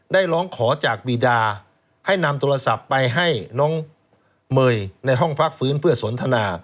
ร้องขอจากบีดาให้นำโทรศัพท์ไปให้น้องเมย์ในห้องพักฟื้นเพื่อสนทนา